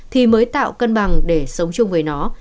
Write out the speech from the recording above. thì mới tạo cân bằng để sống chung với nó